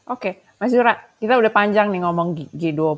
oke mas jura kita udah panjang nih ngomong g dua puluh